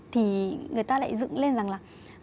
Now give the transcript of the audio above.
thì người ta lại dựng lên rằng là